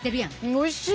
おいしい。